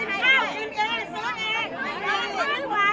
ต้องใจร่วม